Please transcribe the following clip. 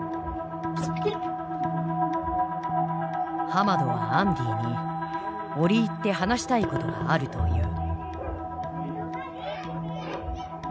ハマドはアンディに折り入って話したいことがあるという。